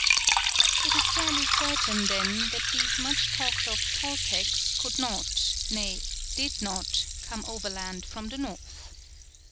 It is fairly certain, then, that these much talked of Toltecs could not, nay, did not, come overland from the north.